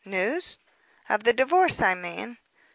"News!" "Of the divorce, I mean?"